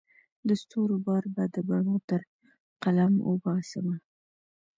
د ستورو بار به د بڼو تر قلم وباسمه